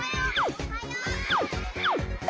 ・おはよう！